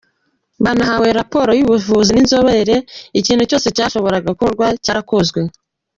Banahawe raporo y’ubuvuzi n’inzobere, ikintu cyose cyashoboraga gukorwa cyarakozwe.